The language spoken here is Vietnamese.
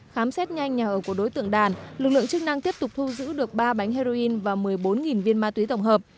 khám xét nhanh nhà ở của đối tượng đàn lực lượng chức năng tiếp tục thu giữ được ba bánh heroin và một mươi bốn viên ma túy tổng hợp